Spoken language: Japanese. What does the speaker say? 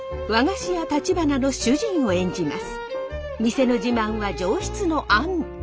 店の自慢は上質のあんこ。